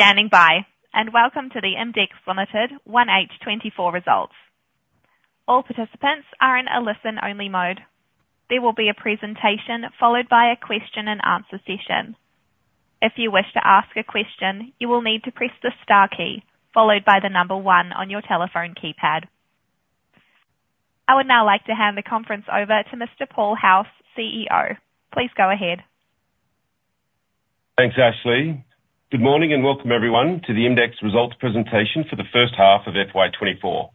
Thank you for standing by, and welcome to the IMDEX Limited 1H 2024 results. All participants are in a listen-only mode. There will be a presentation followed by a Q&A session. If you wish to ask a question, you will need to press the star key followed by the number one on your telephone keypad. I would now like to hand the conference over to Mr. Paul House, CEO. Please go ahead. Thanks, Ashley. Good morning and welcome, everyone, to the IMDEX results presentation for the first half of FY 2024.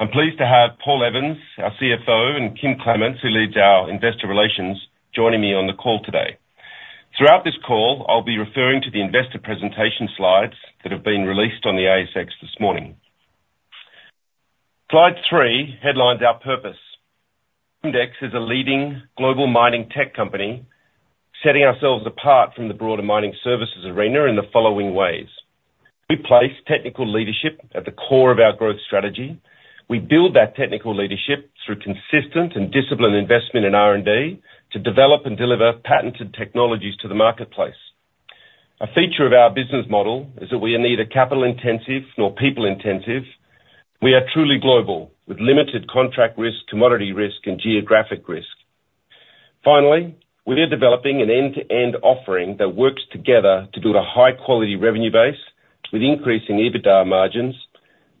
I'm pleased to have Paul Evans, our CFO, and Kym Clements, who leads our investor relations, joining me on the call today. Throughout this call, I'll be referring to the investor presentation slides that have been released on the ASX this morning. Slide three headlines our purpose. IMDEX is a leading global mining tech company, setting ourselves apart from the broader mining services arena in the following ways: we place technical leadership at the core of our growth strategy. We build that technical leadership through consistent and disciplined investment in R&D to develop and deliver patented technologies to the marketplace. A feature of our business model is that we are neither capital-intensive nor people-intensive. We are truly global, with limited contract risk, commodity risk, and geographic risk. Finally, we are developing an end-to-end offering that works together to build a high-quality revenue base with increasing EBITDA margins,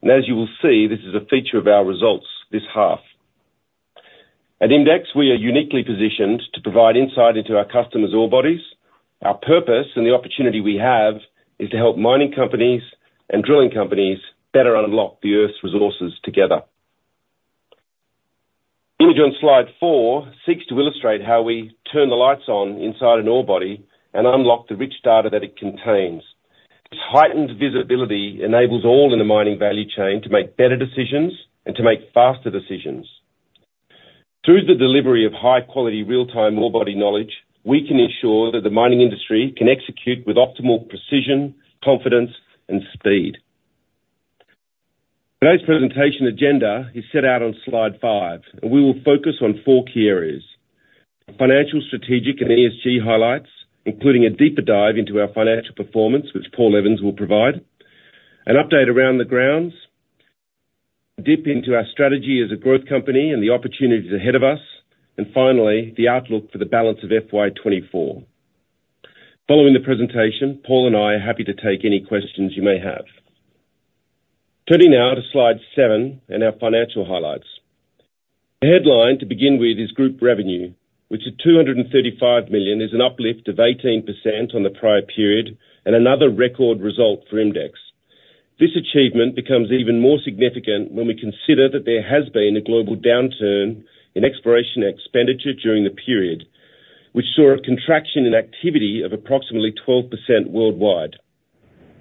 and as you will see, this is a feature of our results this half. At IMDEX, we are uniquely positioned to provide insight into our customers' ore bodies. Our purpose and the opportunity we have is to help mining companies and drilling companies better unlock the Earth's resources together. The image on slide four seeks to illustrate how we turn the lights on inside an ore body and unlock the rich data that it contains. This heightened visibility enables all in the mining value chain to make better decisions and to make faster decisions. Through the delivery of high-quality real-time ore body knowledge, we can ensure that the mining industry can execute with optimal precision, confidence, and speed. Today's presentation agenda is set out on slide five, and we will focus on four key areas: financial, strategic, and ESG highlights, including a deeper dive into our financial performance, which Paul Evans will provide, an update around the grounds, a dip into our strategy as a growth company and the opportunities ahead of us, and finally, the outlook for the balance of FY 2024. Following the presentation, Paul and I are happy to take any questions you may have. Turning now to slide seven and our financial highlights. The headline to begin with is group revenue, which at 235 million is an uplift of 18% on the prior period and another record result for IMDEX. This achievement becomes even more significant when we consider that there has been a global downturn in exploration expenditure during the period, which saw a contraction in activity of approximately 12% worldwide.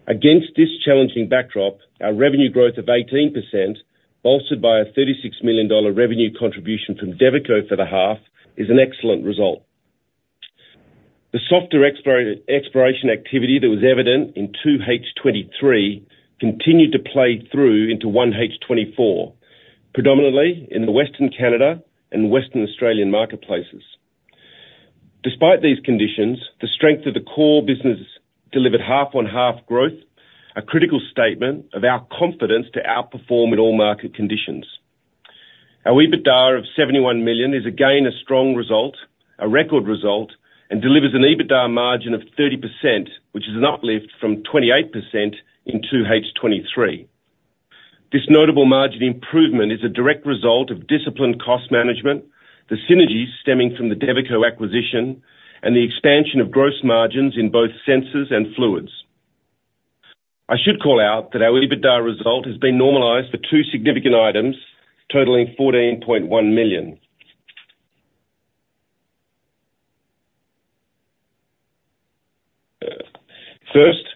Against this challenging backdrop, our revenue growth of 18%, bolstered by a 36 million dollar revenue contribution from Devico for the half, is an excellent result. The softer exploration activity that was evident in 2H 2023 continued to play through into 1H 2024, predominantly in the Western Canada and Western Australian marketplaces. Despite these conditions, the strength of the core business delivered half-on-half growth, a critical statement of our confidence to outperform in all market conditions. Our EBITDA of 71 million is again a strong result, a record result, and delivers an EBITDA margin of 30%, which is an uplift from 28% in 2H 2023. This notable margin improvement is a direct result of disciplined cost management, the synergies stemming from the Devico acquisition, and the expansion of gross margins in both sensors and fluids. I should call out that our EBITDA result has been normalized for two significant items, totaling AUD 14.1 million. First,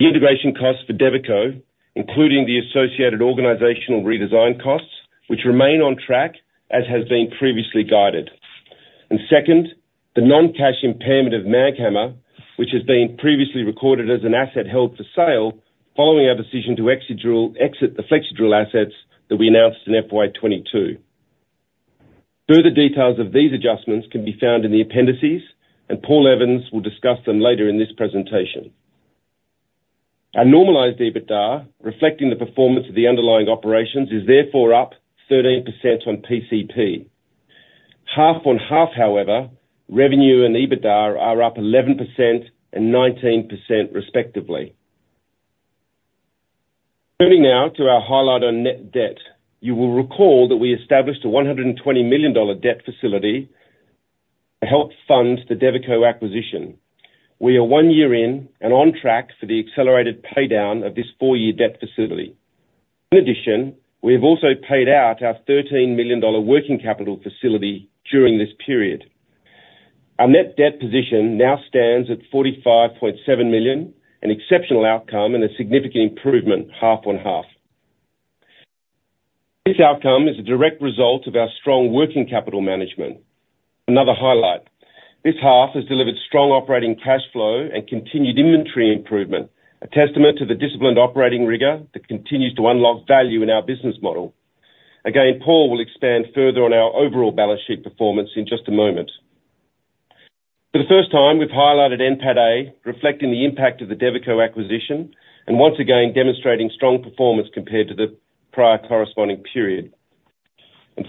the integration costs for Devico, including the associated organizational redesign costs, which remain on track as has been previously guided. And second, the non-cash impairment of MAGHAMMER, which has been previously recorded as an asset held for sale following our decision to exit the Flexidrill assets that we announced in FY 2022. Further details of these adjustments can be found in the appendices, and Paul Evans will discuss them later in this presentation. Our normalized EBITDA, reflecting the performance of the underlying operations, is therefore up 13% on PCP. Half-on-half, however, revenue and EBITDA are up 11% and 19%, respectively. Turning now to our highlight on net debt. You will recall that we established a 120 million dollar debt facility to help fund the Devico acquisition. We are one year in and on track for the accelerated paydown of this four-year debt facility. In addition, we have also paid out our 13 million dollar working capital facility during this period. Our net debt position now stands at 45.7 million, an exceptional outcome and a significant improvement half-on-half. This outcome is a direct result of our strong working capital management. Another highlight: this half has delivered strong operating cash flow and continued inventory improvement, a testament to the disciplined operating rigor that continues to unlock value in our business model. Again, Paul will expand further on our overall balance sheet performance in just a moment. For the first time, we've highlighted NPATA, reflecting the impact of the Devico acquisition and once again demonstrating strong performance compared to the prior corresponding period.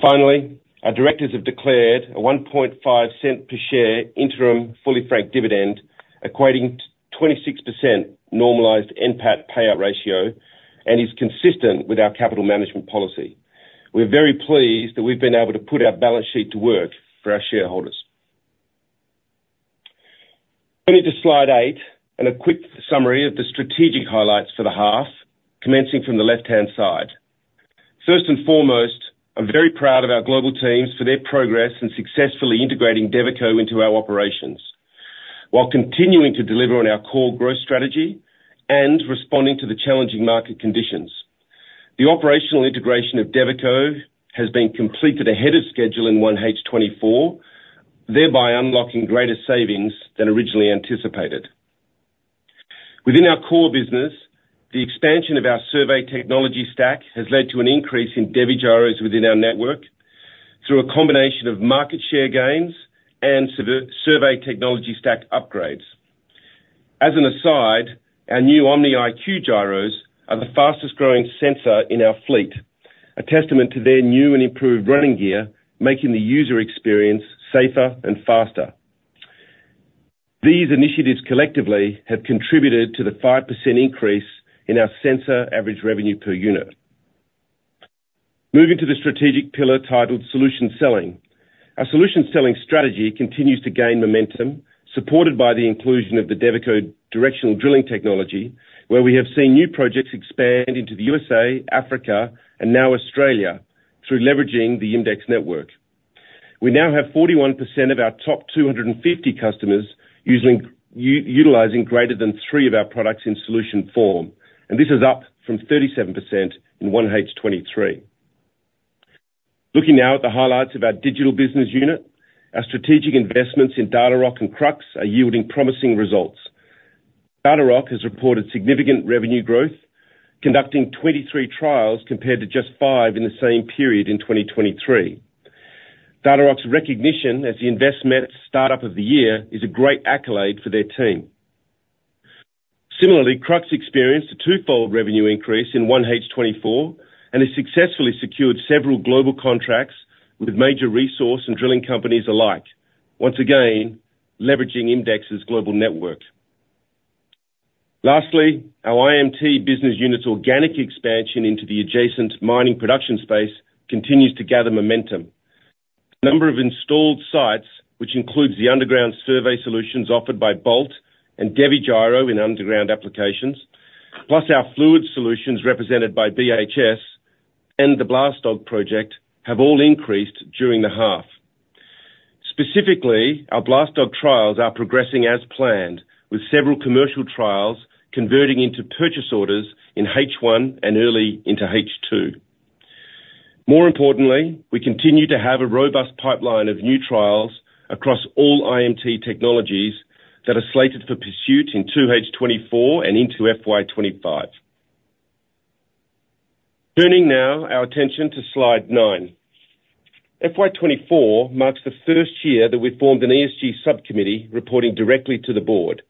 Finally, our directors have declared a 0.015 per share interim fully franked dividend equating 26% normalized NPATA payout ratio and is consistent with our capital management policy. We're very pleased that we've been able to put our balance sheet to work for our shareholders. Turning to slide 8 and a quick summary of the strategic highlights for the half, commencing from the left-hand side. First and foremost, I'm very proud of our global teams for their progress in successfully integrating Devico into our operations, while continuing to deliver on our core growth strategy and responding to the challenging market conditions. The operational integration of Devico has been completed ahead of schedule in 1H 2024, thereby unlocking greater savings than originally anticipated. Within our core business, the expansion of our survey technology stack has led to an increase in DeviGyros within our network through a combination of market share gains and survey technology stack upgrades. As an aside, our new OMNI-IQ gyros are the fastest-growing sensor in our fleet, a testament to their new and improved running gear making the user experience safer and faster. These initiatives collectively have contributed to the 5% increase in our sensor average revenue per unit. Moving to the strategic pillar titled solution selling, our solution selling strategy continues to gain momentum, supported by the inclusion of the Devico directional drilling technology, where we have seen new projects expand into the U.S.A., Africa, and now Australia through leveraging the IMDEX network. We now have 41% of our top 250 customers utilizing greater than three of our products in solution form, and this is up from 37% in 1H 2023. Looking now at the highlights of our digital business unit, our strategic investments in Datarock and Krux are yielding promising results. Datarock has reported significant revenue growth, conducting 23 trials compared to just five in the same period in 2023. Datarock's recognition as the investment startup of the year is a great accolade for their team. Similarly, Krux experienced a twofold revenue increase in 1H 2024 and has successfully secured several global contracts with major resource and drilling companies alike, once again leveraging IMDEX's global network. Lastly, our IMT business unit's organic expansion into the adjacent mining production space continues to gather momentum. The number of installed sites, which includes the underground survey solutions offered by BOLT and DeviGyro in underground applications, plus our fluid solutions represented by BHS and the BLASTDOG project, have all increased during the half. Specifically, our BLASTDOG trials are progressing as planned, with several commercial trials converting into purchase orders in H1 and early into H2. More importantly, we continue to have a robust pipeline of new trials across all IMT technologies that are slated for pursuit in 2H 2024 and into FY25. Turning now our attention to slide nine. FY 2024 marks the first year that we've formed an ESG subcommittee reporting directly to the board,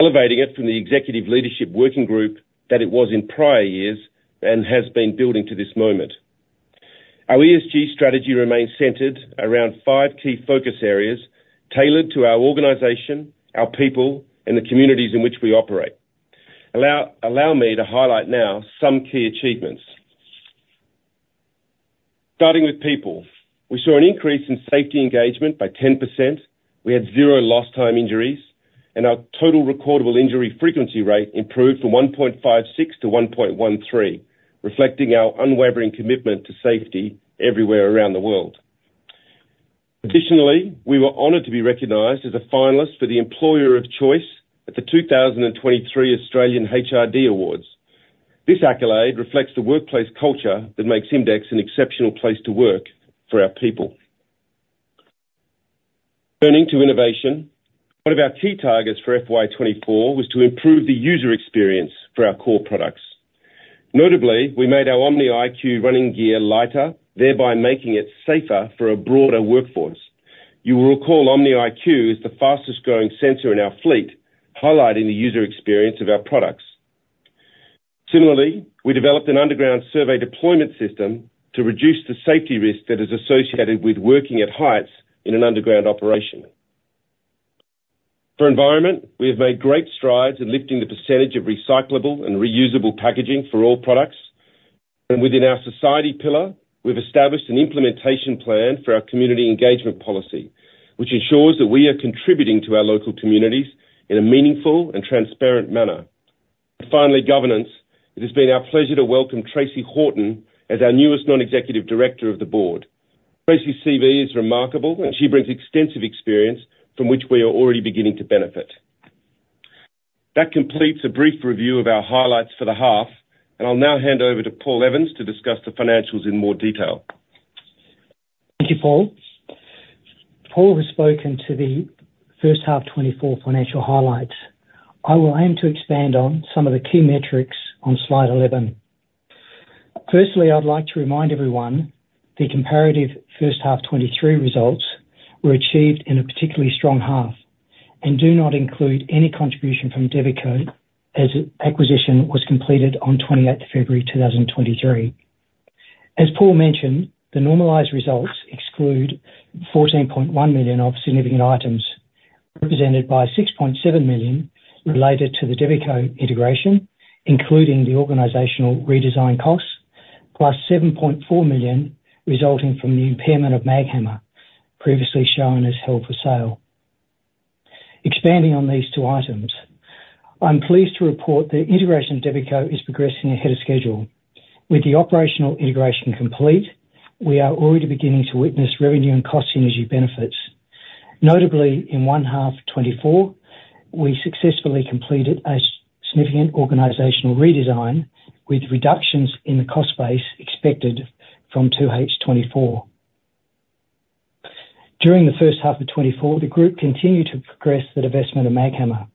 elevating it from the executive leadership working group that it was in prior years and has been building to this moment. Our ESG strategy remains centered around five key focus areas tailored to our organization, our people, and the communities in which we operate. Allow me to highlight now some key achievements. Starting with people, we saw an increase in safety engagement by 10%. We had zero lost-time injuries, and our total recordable injury frequency rate improved from 1.56 to 1.13, reflecting our unwavering commitment to safety everywhere around the world. Additionally, we were honored to be recognized as a finalist for the Employer of Choice at the 2023 Australian HRD Awards. This accolade reflects the workplace culture that makes IMDEX an exceptional place to work for our people. Turning to innovation, one of our key targets for FY 2024 was to improve the user experience for our core products. Notably, we made our OMNI-IQ running gear lighter, thereby making it safer for a broader workforce. You will recall OMNI-IQ is the fastest-growing sensor in our fleet, highlighting the user experience of our products. Similarly, we developed an underground survey deployment system to reduce the safety risk that is associated with working at heights in an underground operation. For environment, we have made great strides in lifting the percentage of recyclable and reusable packaging for all products. And within our society pillar, we've established an implementation plan for our community engagement policy, which ensures that we are contributing to our local communities in a meaningful and transparent manner. Finally, governance. It has been our pleasure to welcome Tracey Horton as our newest Non-Executive Director of the board. Tracy's CV is remarkable, and she brings extensive experience from which we are already beginning to benefit. That completes a brief review of our highlights for the half, and I'll now hand over to Paul Evans to discuss the financials in more detail. Thank you, Paul. Paul has spoken to the first half 2024 financial highlights. I will aim to expand on some of the key metrics on slide 11. Firstly, I'd like to remind everyone the comparative first half 2023 results were achieved in a particularly strong half and do not include any contribution from Devico as acquisition was completed on 28 February 2023. As Paul mentioned, the normalized results exclude 14.1 million of significant items, represented by 6.7 million related to the Devico integration, including the organizational redesign costs, plus 7.4 million resulting from the impairment of MAGHAMMER, previously shown as held for sale. Expanding on these two items, I'm pleased to report that integration of Devico is progressing ahead of schedule. With the operational integration complete, we are already beginning to witness revenue and cost synergy benefits. Notably, in 1H 2024, we successfully completed a significant organizational redesign with reductions in the cost base expected from 2H 2024. During the first half of 2024, the group continued to progress the investment in MAGHAMMER.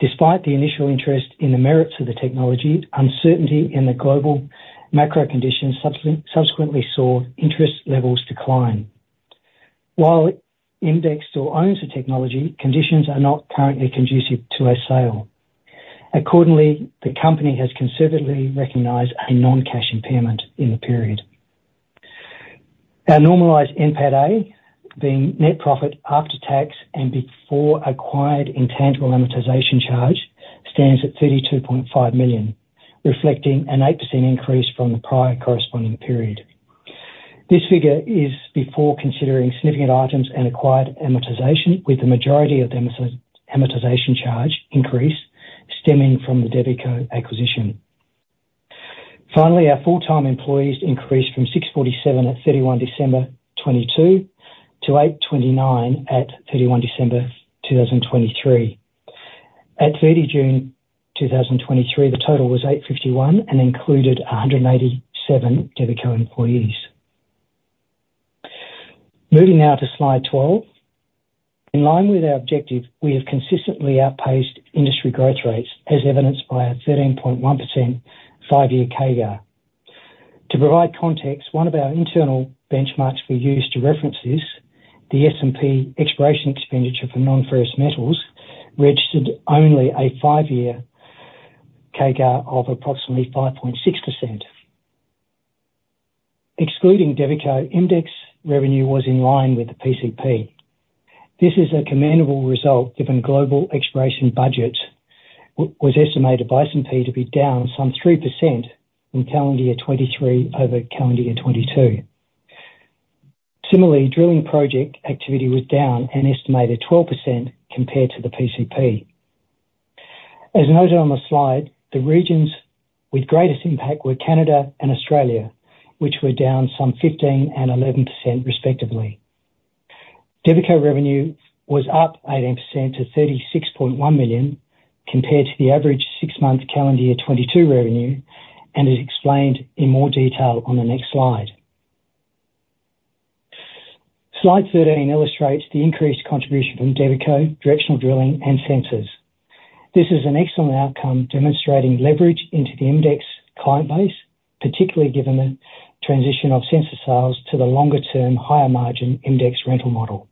Despite the initial interest in the merits of the technology, uncertainty in the global macro conditions subsequently saw interest levels decline. While IMDEX still owns the technology, conditions are not currently conducive to a sale. Accordingly, the company has conservatively recognized a non-cash impairment in the period. Our normalized NPATA, being net profit after tax and before acquired intangible amortization charge, stands at 32.5 million, reflecting an 8% increase from the prior corresponding period. This figure is before considering significant items and acquired amortization, with the majority of the amortization charge increase stemming from the Devico acquisition. Finally, our full-time employees increased from 647 at 31 December 2022 to 829 at 31 December 2023. At 30 June 2023, the total was 851 and included 187 Devico employees. Moving now to slide 12. In line with our objective, we have consistently outpaced industry growth rates, as evidenced by a 13.1% five-year CAGR. To provide context, one of our internal benchmarks we use to reference this, the S&P exploration expenditure for non-ferrous metals, registered only a five-year CAGR of approximately 5.6%. Excluding Devico, IMDEX revenue was in line with the PCP. This is a commendable result given global exploration budgets was estimated by S&P to be down some 3% from calendar year 2023 over calendar year 2022. Similarly, drilling project activity was down an estimated 12% compared to the PCP. As noted on the slide, the regions with greatest impact were Canada and Australia, which were down some 15% and 11%, respectively. Devico revenue was up 18% to 36.1 million compared to the average six-month calendar year 2022 revenue, and is explained in more detail on the next slide. Slide 13 illustrates the increased contribution from Devico, directional drilling, and sensors. This is an excellent outcome demonstrating leverage into the IMDEX client base, particularly given the transition of sensor sales to the longer-term, higher-margin IMDEX rental model.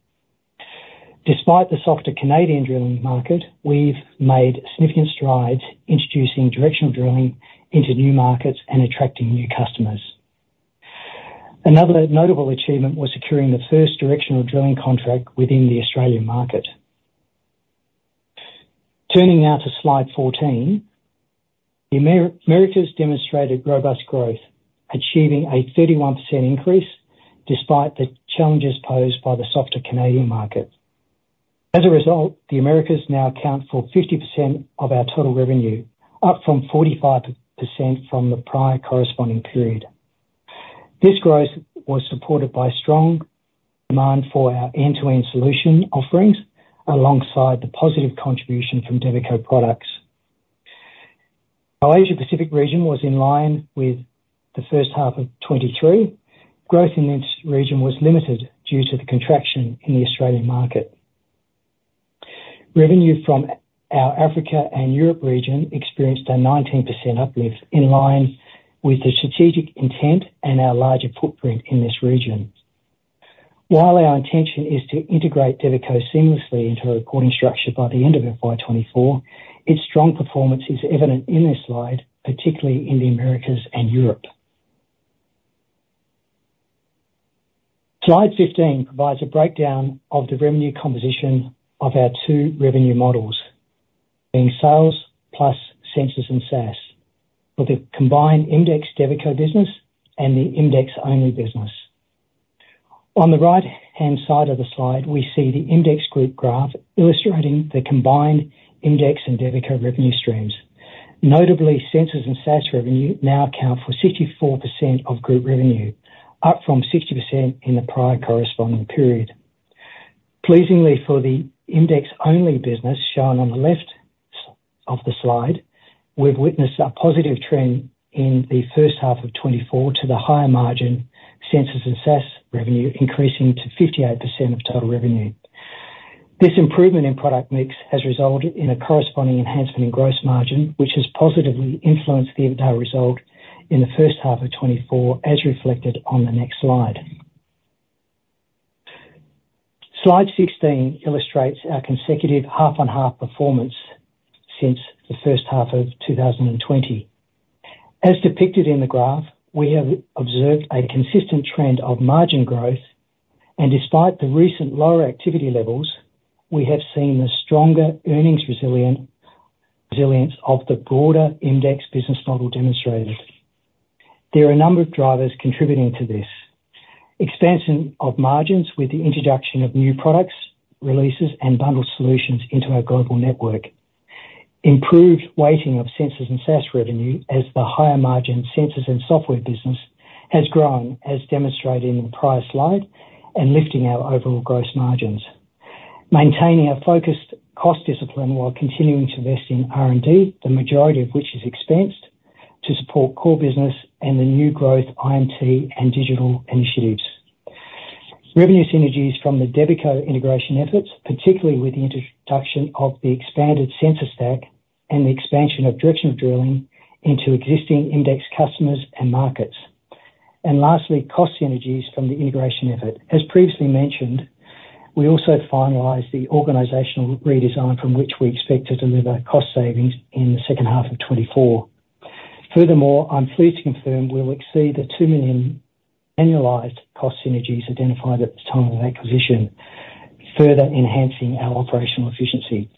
Despite the softer Canadian drilling market, we've made significant strides introducing directional drilling into new markets and attracting new customers. Another notable achievement was securing the first directional drilling contract within the Australian market. Turning now to slide 14. The Americas demonstrated robust growth, achieving a 31% increase despite the challenges posed by the softer Canadian market. As a result, the Americas now account for 50% of our total revenue, up from 45% from the prior corresponding period. This growth was supported by strong demand for our end-to-end solution offerings alongside the positive contribution from Devico products. Our Asia-Pacific region was in line with the first half of 2023. Growth in this region was limited due to the contraction in the Australian market. Revenue from our Africa and Europe region experienced a 19% uplift, in line with the strategic intent and our larger footprint in this region. While our intention is to integrate Devico seamlessly into our reporting structure by the end of FY 2024, its strong performance is evident in this slide, particularly in the Americas and Europe. Slide 15 provides a breakdown of the revenue composition of our two revenue models, being sales plus sensors and SaaS, for the combined IMDEX Devico business and the IMDEX-only business. On the right-hand side of the slide, we see the IMDEX group graph illustrating the combined IMDEX and Devico revenue streams. Notably, sensors and SaaS revenue now account for 64% of group revenue, up from 60% in the prior corresponding period. Pleasingly, for the IMDEX-only business shown on the left of the slide, we've witnessed a positive trend in the first half of 2024 to the higher-margin sensors and SaaS revenue increasing to 58% of total revenue. This improvement in product mix has resulted in a corresponding enhancement in gross margin, which has positively influenced the overall result in the first half of 2024, as reflected on the next slide. Slide 16 illustrates our consecutive half-on-half performance since the first half of 2020. As depicted in the graph, we have observed a consistent trend of margin growth, and despite the recent lower activity levels, we have seen the stronger earnings resilience of the broader IMDEX business model demonstrated. There are a number of drivers contributing to this. Expansion of margins with the introduction of new products, releases, and bundled solutions into our global network. Improved weighting of sensors and SaaS revenue as the higher-margin sensors and software business has grown, as demonstrated in the prior slide. And lifting our overall gross margins. Maintaining a focused cost discipline while continuing to invest in R&D, the majority of which is expensed, to support core business and the new growth IMT and digital initiatives. Revenue synergies from the Devico integration efforts, particularly with the introduction of the expanded sensor stack and the expansion of directional drilling into existing IMDEX customers and markets. And lastly, cost synergies from the integration effort. As previously mentioned, we also finalized the organizational redesign from which we expect to deliver cost savings in the second half of 2024. Furthermore, I'm pleased to confirm we'll exceed the 2 million annualized cost synergies identified at the time of acquisition, further enhancing our operational efficiency.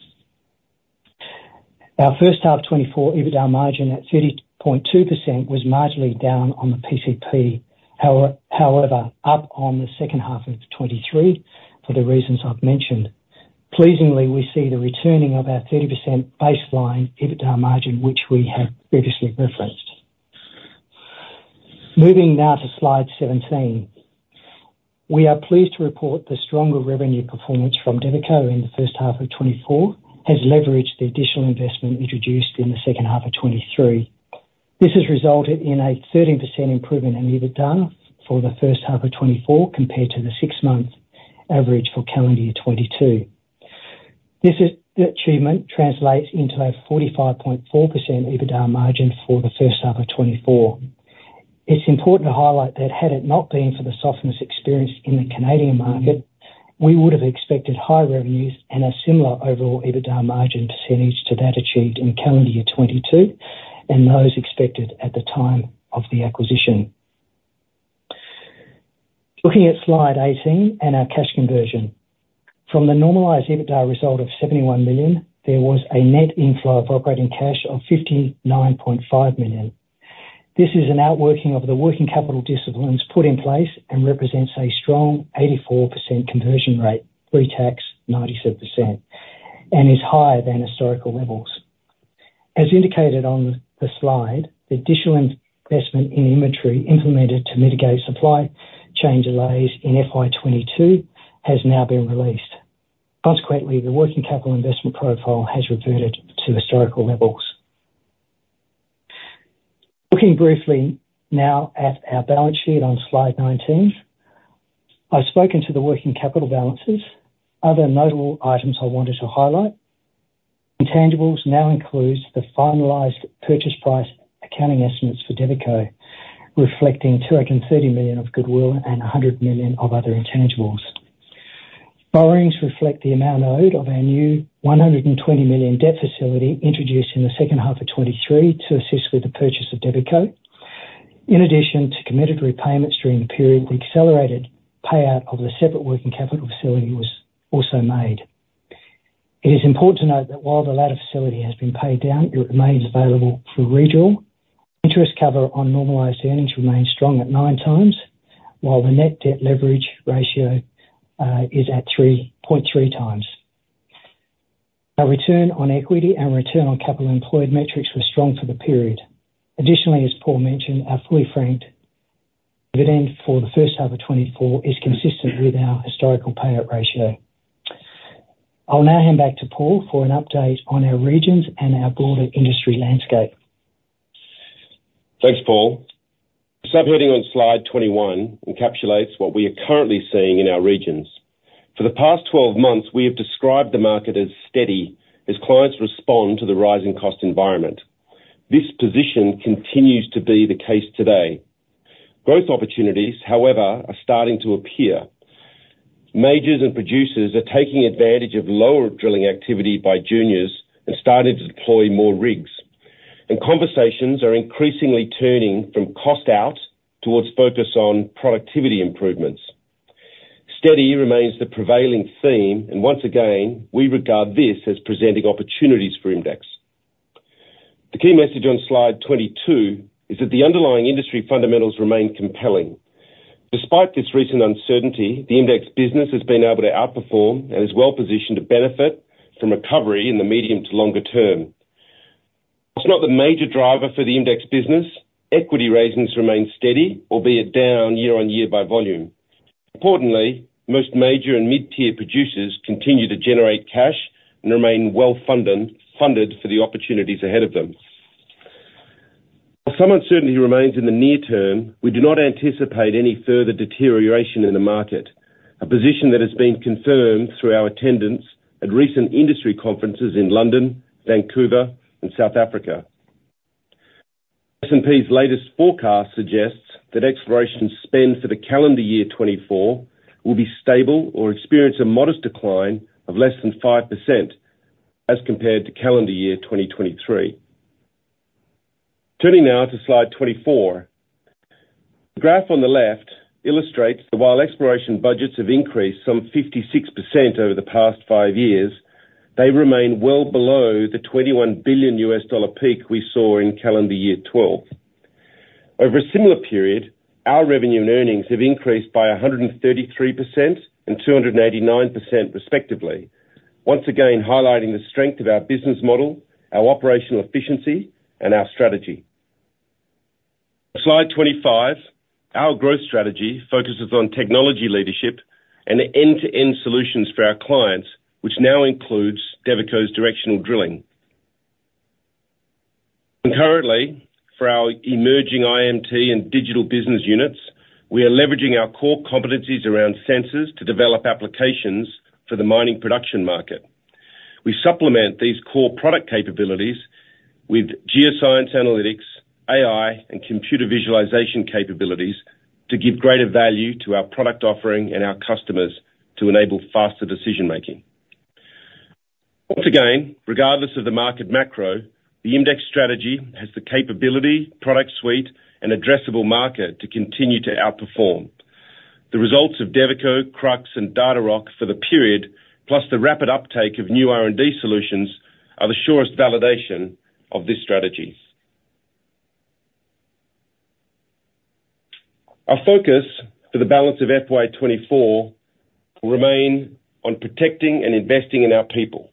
Our first half 2024 EBITDA margin at 30.2% was marginally down on the PCP, however, up on the second half of 2023 for the reasons I've mentioned. Pleasingly, we see the returning of our 30% baseline EBITDA margin, which we had previously referenced. Moving now to slide 17. We are pleased to report the stronger revenue performance from Devico in the first half of 2024 has leveraged the additional investment introduced in the second half of 2023. This has resulted in a 13% improvement in EBITDA for the first half of 2024 compared to the six-month average for calendar year 2022. This achievement translates into a 45.4% EBITDA margin for the first half of 2024. It's important to highlight that had it not been for the softness experienced in the Canadian market, we would have expected high revenues and a similar overall EBITDA margin percentage to that achieved in calendar year 2022 and those expected at the time of the acquisition. Looking at slide 18 and our cash conversion. From the normalized EBITDA result of 71 million, there was a net inflow of operating cash of 59.5 million. This is an outworking of the working capital disciplines put in place and represents a strong 84% conversion rate, pre-tax 97%, and is higher than historical levels. As indicated on the slide, the additional investment in inventory implemented to mitigate supply chain delays in FY 2022 has now been released. Consequently, the working capital investment profile has reverted to historical levels. Looking briefly now at our balance sheet on slide 19. I've spoken to the working capital balances. Other notable items I wanted to highlight. Intangibles now include the finalized purchase price accounting estimates for Devico, reflecting 230 million of goodwill and 100 million of other intangibles. Borrowings reflect the amount owed of our new 120 million debt facility introduced in the second half of 2023 to assist with the purchase of Devico. In addition to committed repayments during the period, the accelerated payout of the separate working capital facility was also made. It is important to note that while the latter facility has been paid down, it remains available for redrawal. Interest cover on normalized earnings remains strong at 9x, while the net debt leverage ratio is at 3.3x. Our return on equity and return on capital employed metrics were strong for the period. Additionally, as Paul mentioned, our fully franked dividend for the first half of 2024 is consistent with our historical payout ratio. I'll now hand back to Paul for an update on our regions and our broader industry landscape. Thanks, Paul. This subheading on slide 21 encapsulates what we are currently seeing in our regions. For the past 12 months, we have described the market as steady as clients respond to the rising cost environment. This position continues to be the case today. Growth opportunities, however, are starting to appear. Majors and producers are taking advantage of lower drilling activity by juniors and starting to deploy more rigs. And conversations are increasingly turning from cost out towards focus on productivity improvements. Steady remains the prevailing theme, and once again, we regard this as presenting opportunities for IMDEX. The key message on slide 22 is that the underlying industry fundamentals remain compelling. Despite this recent uncertainty, the IMDEX business has been able to outperform and is well-positioned to benefit from recovery in the medium to longer term. While not the major driver for the IMDEX business, equity raisings remain steady, albeit down year on year by volume. Importantly, most major and mid-tier producers continue to generate cash and remain well-funded for the opportunities ahead of them. While some uncertainty remains in the near term, we do not anticipate any further deterioration in the market, a position that has been confirmed through our attendance at recent industry conferences in London, Vancouver, and South Africa. S&P's latest forecast suggests that exploration spend for the calendar year 2024 will be stable or experience a modest decline of less than 5% as compared to calendar year 2023. Turning now to slide 24. The graph on the left illustrates that while exploration budgets have increased some 56% over the past 5 years, they remain well below the $21 billion peak we saw in calendar year 2012. Over a similar period, our revenue and earnings have increased by 133% and 289%, respectively, once again highlighting the strength of our business model, our operational efficiency, and our strategy. On slide 25, our growth strategy focuses on technology leadership and the end-to-end solutions for our clients, which now includes Devico's directional drilling. Concurrently, for our emerging IMT and digital business units, we are leveraging our core competencies around sensors to develop applications for the mining production market. We supplement these core product capabilities with geoscience analytics, AI, and computer visualization capabilities to give greater value to our product offering and our customers to enable faster decision-making. Once again, regardless of the market macro, the IMDEX strategy has the capability, product suite, and addressable market to continue to outperform. The results of Devico, Crux, and Datarock for the period, plus the rapid uptake of new R&D solutions, are the surest validation of this strategy. Our focus for the balance of FY 2024 will remain on protecting and investing in our people.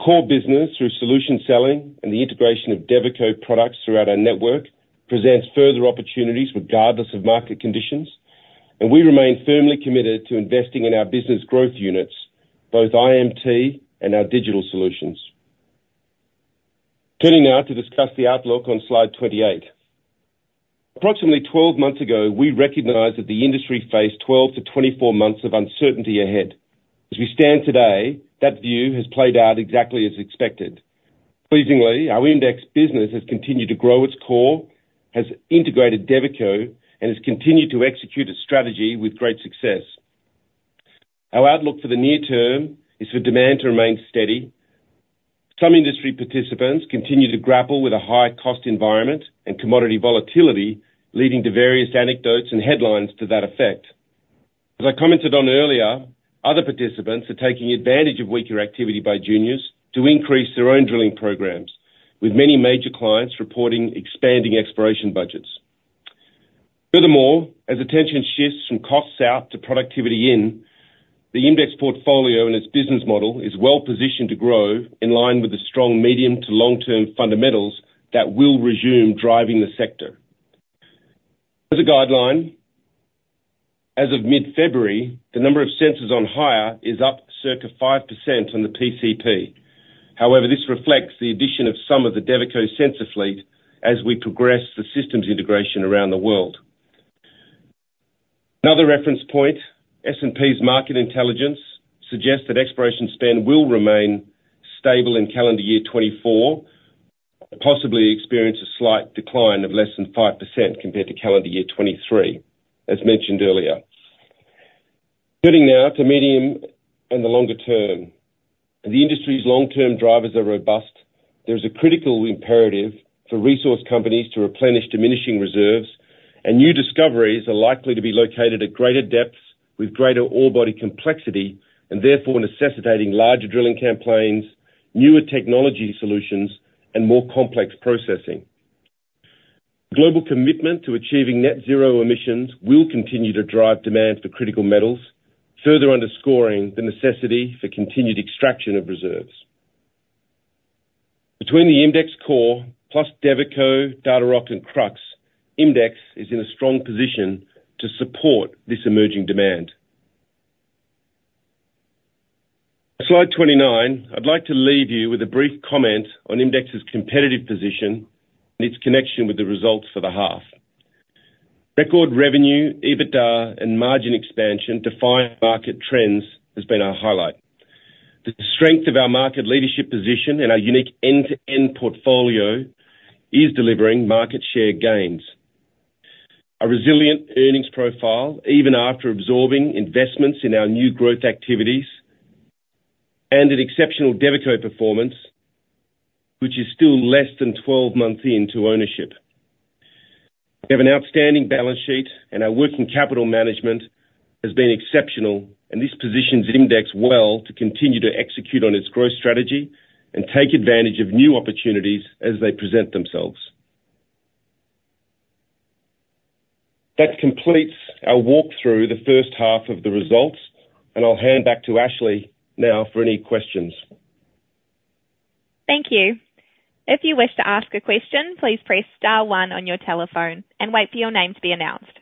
Our core business, through solution selling and the integration of Devico products throughout our network, presents further opportunities regardless of market conditions, and we remain firmly committed to investing in our business growth units, both IMT and our digital solutions. Turning now to discuss the outlook on slide 28. Approximately 12 months ago, we recognized that the industry faced 12 to 24 months of uncertainty ahead. As we stand today, that view has played out exactly as expected. Pleasingly, our IMDEX business has continued to grow its core, has integrated Devico, and has continued to execute its strategy with great success. Our outlook for the near term is for demand to remain steady. Some industry participants continue to grapple with a high cost environment and commodity volatility, leading to various anecdotes and headlines to that effect. As I commented on earlier, other participants are taking advantage of weaker activity by juniors to increase their own drilling programs, with many major clients reporting expanding exploration budgets. Furthermore, as attention shifts from costs out to productivity in, the IMDEX portfolio and its business model is well-positioned to grow in line with the strong medium to long-term fundamentals that will resume driving the sector. As a guideline, as of mid-February, the number of sensors on hire is up circa 5% on the PCP. However, this reflects the addition of some of the Devico sensor fleet as we progress the systems integration around the world. Another reference point, S&P's market intelligence, suggests that exploration spend will remain stable in calendar year 2024, but possibly experience a slight decline of less than 5% compared to calendar year 2023, as mentioned earlier. Turning now to medium and the longer term. The industry's long-term drivers are robust. There is a critical imperative for resource companies to replenish diminishing reserves, and new discoveries are likely to be located at greater depths with greater ore body complexity and therefore necessitating larger drilling campaigns, newer technology solutions, and more complex processing. Global commitment to achieving net-zero emissions will continue to drive demand for critical metals, further underscoring the necessity for continued extraction of reserves. Between the IMDEX core plus Devico, Datarock, and Crux, IMDEX is in a strong position to support this emerging demand. On slide 29, I'd like to leave you with a brief comment on IMDEX's competitive position and its connection with the results for the half. Record revenue, EBITDA, and margin expansion define market trends has been our highlight. The strength of our market leadership position and our unique end-to-end portfolio is delivering market share gains. Our resilient earnings profile, even after absorbing investments in our new growth activities, and an exceptional Devico performance, which is still less than 12 months into ownership. We have an outstanding balance sheet, and our working capital management has been exceptional, and this positions IMDEX well to continue to execute on its growth strategy and take advantage of new opportunities as they present themselves. That completes our walkthrough of the first half of the results, and I'll hand back to Ashley now for any questions. Thank you. If you wish to ask a question, please press star one on your telephone and wait for your name to be announced.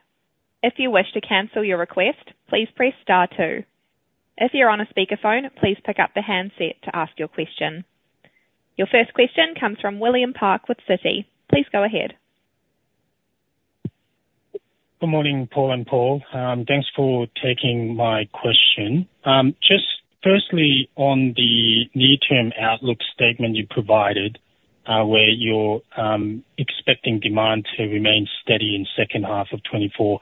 If you wish to cancel your request, please press star two. If you're on a speakerphone, please pick up the handset to ask your question. Your first question comes from William Park with Citi. Please go ahead. Good morning, Paul and Paul. Thanks for taking my question. Just firstly, on the near-term outlook statement you provided where you're expecting demand to remain steady in second half of 2024,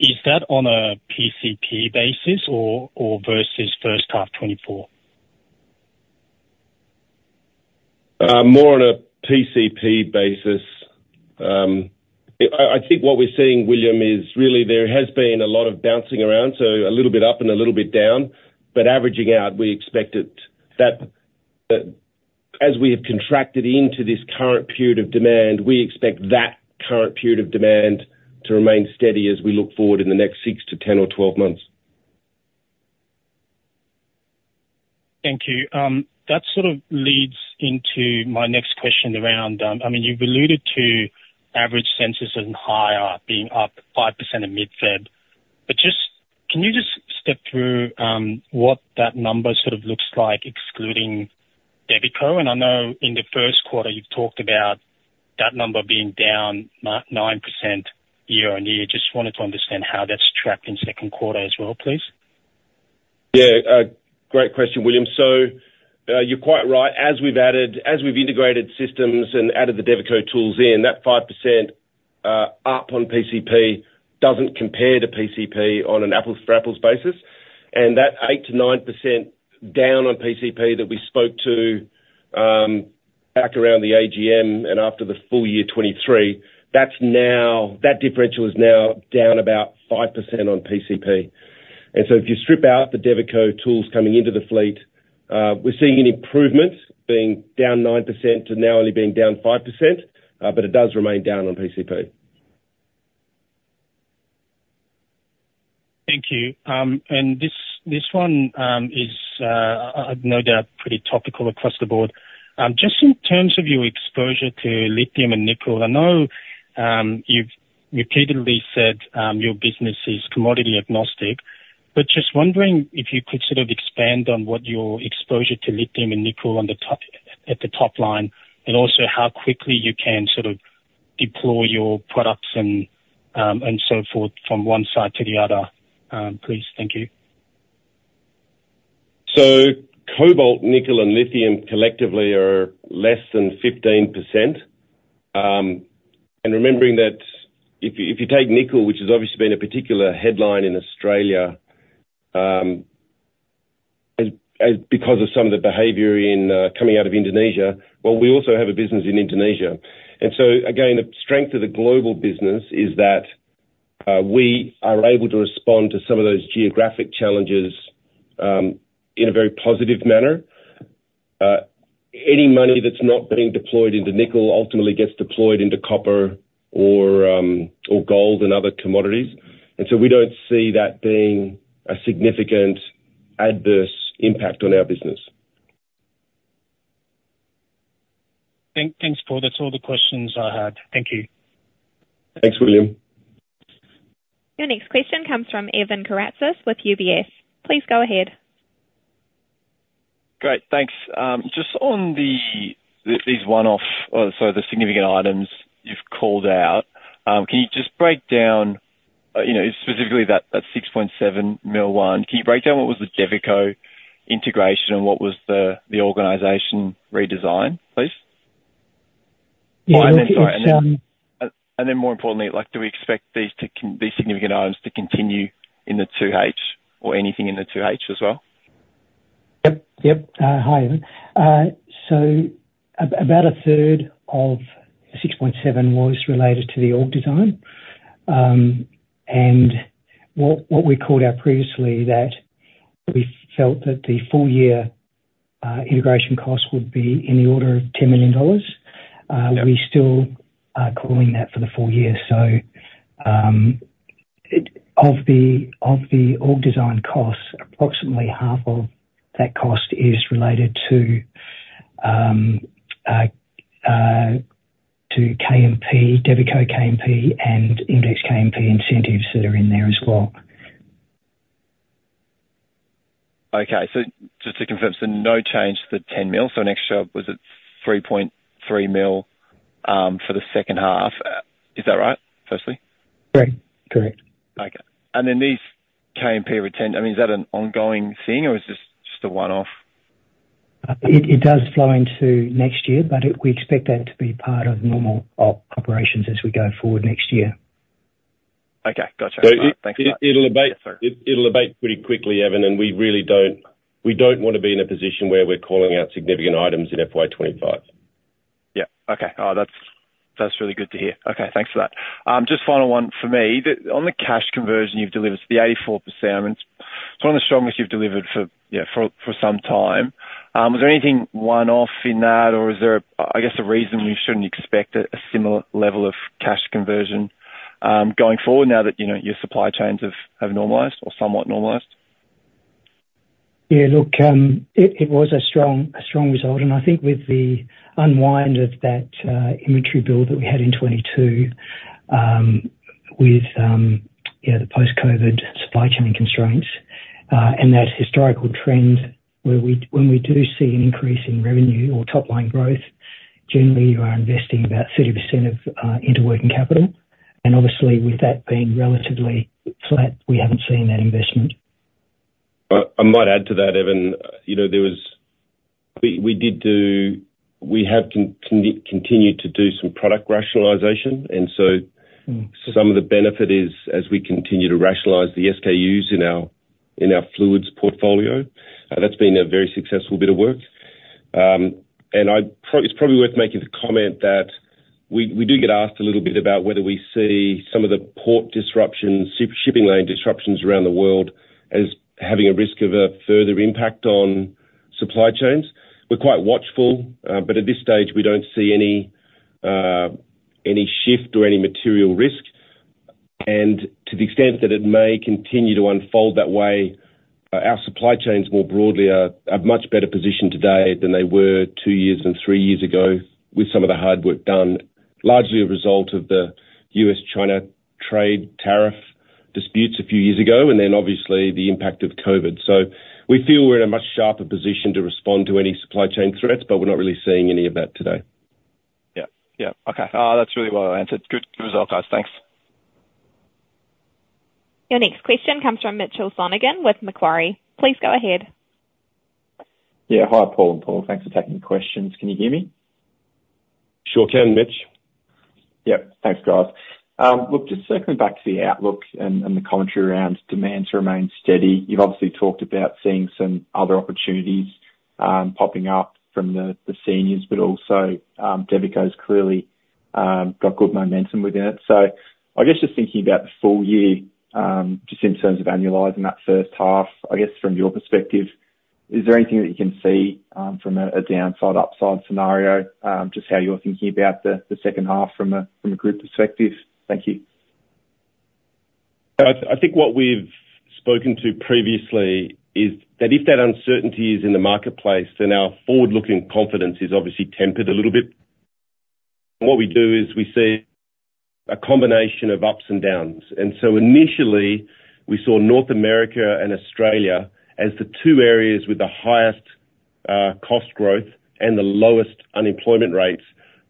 is that on a PCP basis versus first half 2024? More on a PCP basis. I think what we're seeing, William, is really there has been a lot of bouncing around, so a little bit up and a little bit down, but averaging out, we expect it that as we have contracted into this current period of demand, we expect that current period of demand to remain steady as we look forward in the next 6 to 10 or 12 months. Thank you. That sort of leads into my next question around, I mean, you've alluded to average sensors as higher, being up 5% at mid-February. But can you just step through what that number sort of looks like excluding Devico? And I know in the Q1, you've talked about that number being down 9% year-over-year. Just wanted to understand how that's tracked in Q2 as well, please. Yeah. Great question, William. So you're quite right. As we've integrated systems and added the Devico tools in, that 5% up on PCP doesn't compare to PCP on an apples-to-apples basis. And that 8% to 9% down on PCP that we spoke to back around the AGM and after the full year 2023, that differential is now down about 5% on PCP. And so if you strip out the Devico tools coming into the fleet, we're seeing an improvement, being down 9% to now only being down 5%, but it does remain down on PCP. Thank you. And this one is, I know they're pretty topical across the board. Just in terms of your exposure to Lithium and Nickel, I know you've repeatedly said your business is commodity agnostic, but just wondering if you could sort of expand on what your exposure to Lithium and Nickel at the top line and also how quickly you can sort of deploy your products and so forth from one side to the other, please? Thank you. So Cobalt, Nickel, and Lithium collectively are less than 15%. And remembering that if you take nickel, which has obviously been a particular headline in Australia because of some of the behavior coming out of Indonesia, well, we also have a business in Indonesia. And so again, the strength of the global business is that we are able to respond to some of those geographic challenges in a very positive manner. Any money that's not being deployed into Nickel ultimately gets deployed into Copper or Gold and other commodities. And so we don't see that being a significant adverse impact on our business. Thanks, Paul. That's all the questions I had. Thank you. Thanks, William. Your next question comes from Evan Karatzas with UBS. Please go ahead. Great. Thanks. Just on these one-off, sorry, the significant items you've called out, can you just break down specifically that 6.7 million one? Can you break down what was the Devico integration and what was the organization redesign, please? Yeah. And then. And then more importantly, do we expect these significant items to continue in the 2H or anything in the 2H as well? Yep. Yep. Hi, Evan. So about a third of the 6.7 million was related to the org design. And what we called out previously, that we felt that the full-year integration cost would be in the order of 10 million dollars, we still are calling that for the full year. So of the org design costs, approximately half of that cost is related to KMP, Devico KMP, and IMDEX KMP incentives that are in there as well. Okay. So just to confirm, so no change to the 10 million. So next shot, was it 3.3 million for the second half? Is that right, firstly? Correct. Correct. Okay. And then these KMP retention, I mean, is that an ongoing thing, or is this just a one-off? It does flow into next year, but we expect that to be part of normal operations as we go forward next year. Okay. Gotcha. Thanks for that. It'll abate pretty quickly, Evan, and we really don't want to be in a position where we're calling out significant items in FY25. Yeah. Okay. That's really good to hear. Okay. Thanks for that. Just final one for me. On the cash conversion you've delivered, so the 84%, I mean, it's one of the strongest you've delivered for some time. Was there anything one-off in that, or is there, I guess, a reason we shouldn't expect a similar level of cash conversion going forward now that your supply chains have normalized or somewhat normalized? Yeah. Look, it was a strong result. And I think with the unwind of that inventory build that we had in 2022 with the post-COVID supply chain constraints and that historical trend where when we do see an increase in revenue or top-line growth, generally, you are investing about 30% into working capital. And obviously, with that being relatively flat, we haven't seen that investment. I might add to that, Evan. We have continued to do some product rationalization, and so some of the benefit is as we continue to rationalize the SKUs in our fluids portfolio, that's been a very successful bit of work. And it's probably worth making the comment that we do get asked a little bit about whether we see some of the port disruptions, shipping lane disruptions around the world, as having a risk of a further impact on supply chains. We're quite watchful, but at this stage, we don't see any shift or any material risk. To the extent that it may continue to unfold that way, our supply chains more broadly are in a much better position today than they were two years and three years ago with some of the hard work done, largely a result of the U.S.- China trade tariff disputes a few years ago and then, obviously, the impact of COVID. We feel we're in a much sharper position to respond to any supply chain threats, but we're not really seeing any of that today. Yeah. Yeah. Okay. That's really well answered. Good result, guys. Thanks. Your next question comes from Mitchell Sonogan with Macquarie. Please go ahead. Yeah. Hi, Paul and Paul. Thanks for taking the questions. Can you hear me? Sure can, Mitch. Yep. Thanks, guys. Look, just circling back to the outlook and the commentary around demand to remain steady, you've obviously talked about seeing some other opportunities popping up from the seniors, but also Devico's clearly got good momentum within it. So I guess just thinking about the full year, just in terms of analyzing that first half, I guess from your perspective, is there anything that you can see from a downside/upside scenario, just how you're thinking about the second half from a group perspective? Thank you. I think what we've spoken to previously is that if that uncertainty is in the marketplace, then our forward-looking confidence is obviously tempered a little bit. And what we do is we see a combination of ups and downs. And so initially, we saw North America and Australia as the two areas with the highest cost growth and the lowest unemployment rates.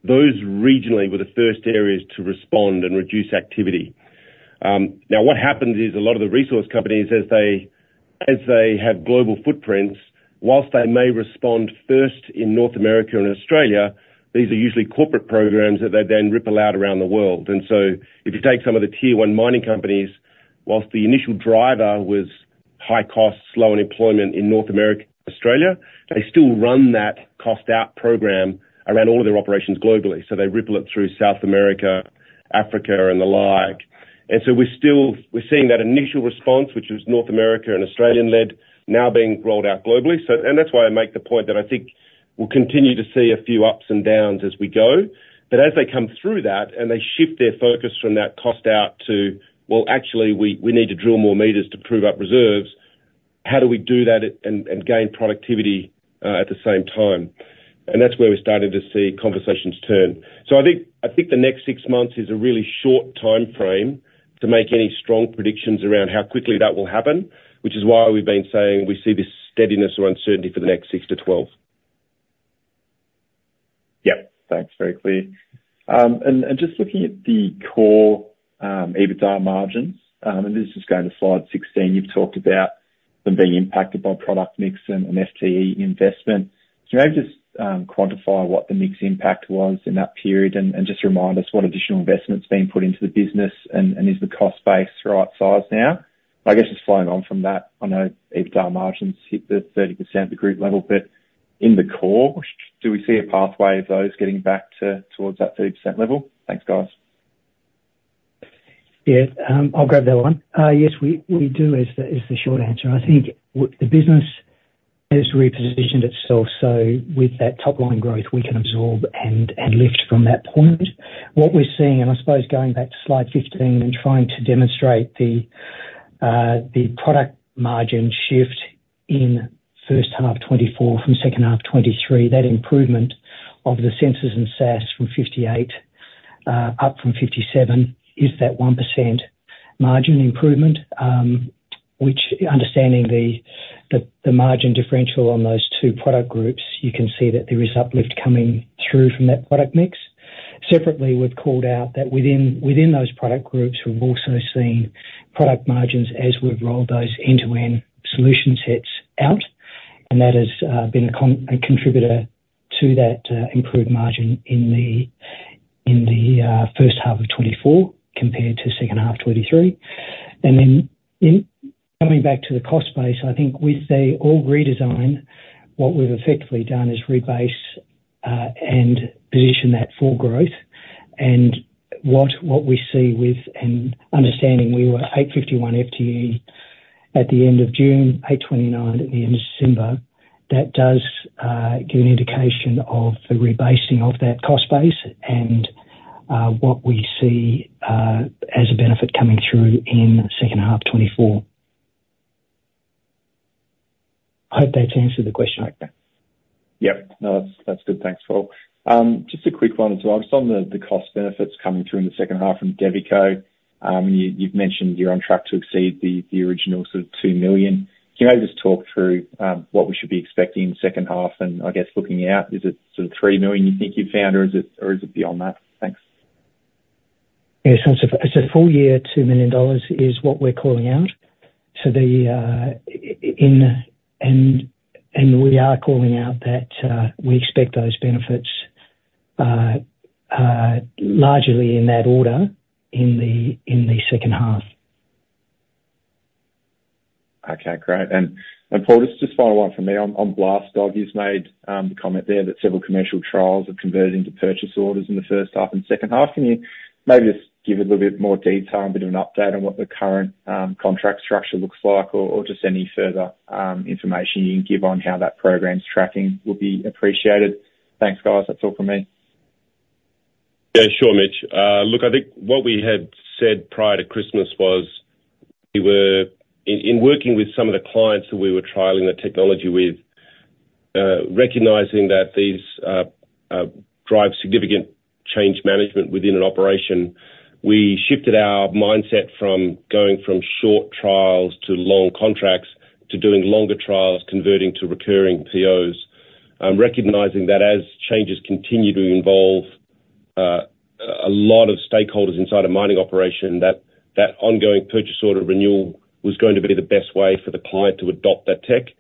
Those regionally were the first areas to respond and reduce activity. Now, what happens is a lot of the resource companies, as they have global footprints, while they may respond first in North America and Australia, these are usually corporate programs that they then ripple out around the world. And so if you take some of the tier-one mining companies, while the initial driver was high cost, slow unemployment in North America and Australia, they still run that cost-out program around all of their operations globally. So they ripple it through South America, Africa, and the like. And so we're seeing that initial response, which was North America and Australian-led, now being rolled out globally. And that's why I make the point that I think we'll continue to see a few ups and downs as we go. But as they come through that and they shift their focus from that cost-out to, "Well, actually, we need to drill more meters to prove up reserves," how do we do that and gain productivity at the same time? And that's where we're starting to see conversations turn. So I think the next six months is a really short timeframe to make any strong predictions around how quickly that will happen, which is why we've been saying we see this steadiness or uncertainty for the next 6 to 12. Yep. Thanks. Very clear. And just looking at the core EBITDA margins - and this is just going to slide 16, you've talked about them being impacted by product mix and FTE investment. Can you maybe just quantify what the mix impact was in that period and just remind us what additional investment's been put into the business and is the cost base the right size now? I guess just following on from that, I know EBITDA margins hit the 30% at the group level, but in the core, do we see a pathway of those getting back towards that 30% level? Thanks, guys. Yeah. I'll grab that one. Yes, we do, is the short answer. I think the business has repositioned itself so with that top-line growth, we can absorb and lift from that point. What we're seeing, and I suppose going back to slide 15 and trying to demonstrate the product margin shift in first half 2024 from second half 2023, that improvement of the sensors and SaaS from 58% up from 57%, is that 1% margin improvement, which understanding the margin differential on those two product groups, you can see that there is uplift coming through from that product mix. Separately, we've called out that within those product groups, we've also seen product margins as we've rolled those end-to-end solution sets out, and that has been a contributor to that improved margin in the first half of 2024 compared to second half 2023. And then coming back to the cost base, I think with the org redesign, what we've effectively done is rebase and position that for growth. And what we see with an understanding we were 851 FTE at the end of June, 829 at the end of December, that does give an indication of the rebasing of that cost base and what we see as a benefit coming through in second half 2024. I hope that's answered the question. Yep. No, that's good. Thanks, Paul. Just a quick one as well. Just on the cost benefits coming through in the second half from Devico, and you've mentioned you're on track to exceed the original sort of 2 million. Can you maybe just talk through what we should be expecting in second half and, I guess, looking out? Is it sort of 3 million you think you've found, or is it beyond that? Thanks. Yeah. It's a full year, 2 million dollars is what we're calling out. We are calling out that we expect those benefits largely in that order in the second half. Okay. Great. And Paul, just final one from me. On BLASTDOG, you've made the comment there that several commercial trials have converted into purchase orders in the first half and second half. Can you maybe just give a little bit more detail, a bit of an update on what the current contract structure looks like, or just any further information you can give on how that program's tracking would be appreciated? Thanks, guys. That's all from me. Yeah. Sure, Mitch. Look, I think what we had said prior to Christmas was in working with some of the clients that we were trialing the technology with, recognizing that these drive significant change management within an operation, we shifted our mindset from going from short trials to long contracts to doing longer trials converting to recurring POs, recognizing that as changes continue to involve a lot of stakeholders inside a mining operation, that ongoing purchase order renewal was going to be the best way for the client to adopt that tech.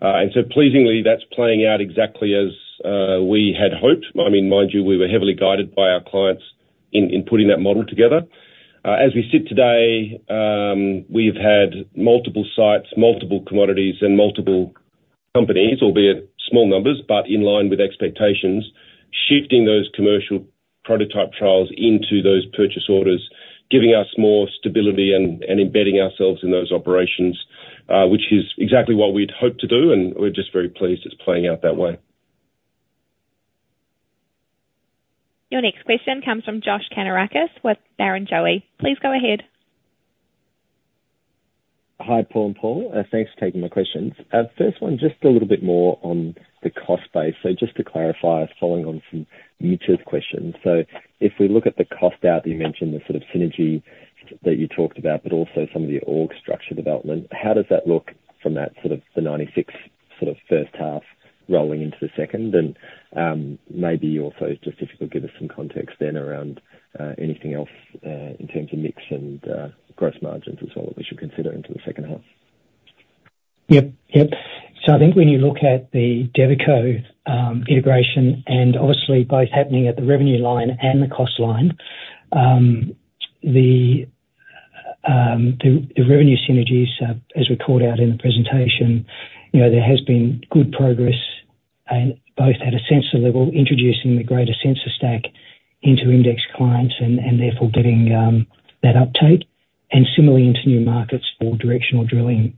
And so pleasingly, that's playing out exactly as we had hoped. I mean, mind you, we were heavily guided by our clients in putting that model together. As we sit today, we've had multiple sites, multiple commodities, and multiple companies, albeit small numbers, but in line with expectations, shifting those commercial prototype trials into those purchase orders, giving us more stability and embedding ourselves in those operations, which is exactly what we'd hoped to do. We're just very pleased it's playing out that way. Your next question comes from Josh Kannourakis with Barrenjoey. Please go ahead. Hi, Paul and Paul. Thanks for taking my questions. First one, just a little bit more on the cost base. So just to clarify, following on from Mitchell's questions, so if we look at the cost out that you mentioned, the sort of synergy that you talked about, but also some of the org structure development, how does that look from the 1H sort of first half rolling into the second? And maybe also, just if you could give us some context then around anything else in terms of mix and gross margins as well that we should consider into the second half. Yep. Yep. So I think when you look at the Devico integration and obviously both happening at the revenue line and the cost line, the revenue synergies, as we called out in the presentation, there has been good progress both at a sensor level introducing the greater sensor stack into IMDEX clients and therefore getting that uptake, and similarly into new markets for directional drilling.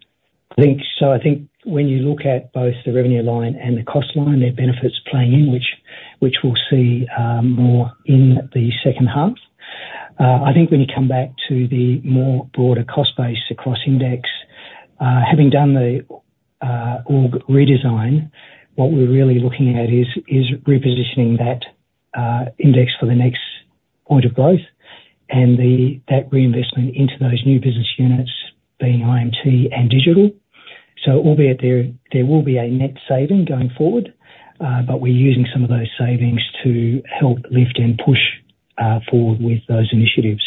So I think when you look at both the revenue line and the cost line, there are benefits playing in, which we'll see more in the second half. I think when you come back to the more broader cost base across IMDEX, having done the org redesign, what we're really looking at is repositioning IMDEX for the next point of growth and that reinvestment into those new business units being IMT and digital. Albeit there will be a net saving going forward, but we're using some of those savings to help lift and push forward with those initiatives.